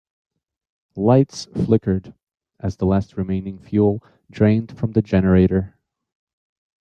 Lights flickered as the last remaining fuel drained from the generator.